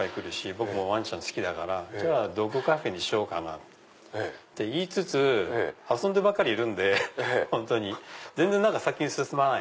僕もワンちゃん好きだからドッグカフェにしようかな？って言いつつ遊んでばかりいるんで全然先に進まない。